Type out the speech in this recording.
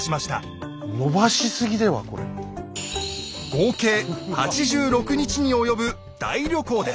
合計８６日に及ぶ大旅行です。